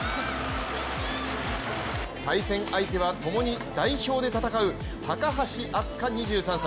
対戦相手は、ともに代表で戦う高橋明日香２８歳。